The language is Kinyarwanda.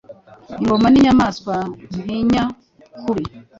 ingona ni inyamaswa ntinya kubi